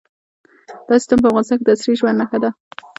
دا سیستم په افغانستان کې د عصري ژوند نښه ده.